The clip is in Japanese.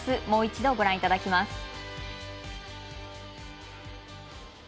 もう一度、ご覧いただきます。